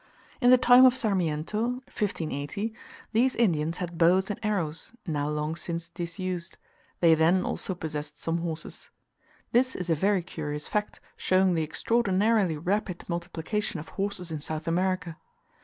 In the time of Sarmiento (1580), these Indians had bows and arrows, now long since disused; they then also possessed some horses. This is a very curious fact, showing the extraordinarily rapid multiplication of horses in South America.